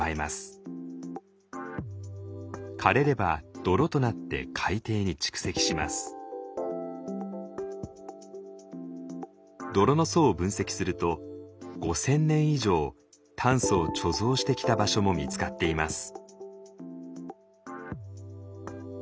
枯れれば泥の層を分析すると５，０００年以上炭素を貯蔵してきた場所も見つかっています。